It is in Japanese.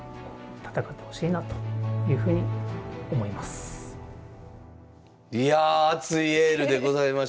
おお。いや熱いエールでございました。